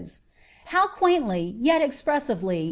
Hov quaintly, yet cicpreesively.